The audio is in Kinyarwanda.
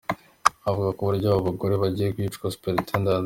Avuga ku buryo aba bagore bagiye bicwa, Supt.